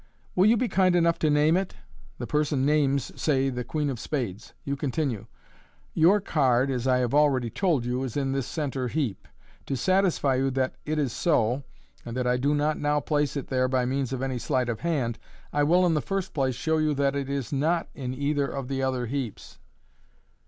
" Will you be kind enough to name it ?" The person names, say, the queen of spades. You continue, " Your card, as I have already told you, is in this centre heap. To satisfy you that it is so, and that I do not now place it there by means of any sleight of hand, I will, in the first place, show you that it is not in either of the other heaps."